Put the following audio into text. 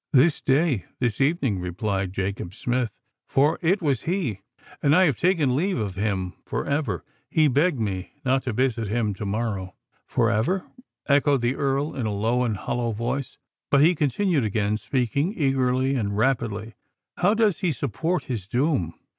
"This day—this evening," replied Jacob Smith—for it was he: "and I have taken leave of him—for ever! He begged me not to visit him—to morrow——" "For ever!" echoed the Earl, in a low and hollow voice. "But," he continued, again speaking eagerly and rapidly, "how does he support his doom?"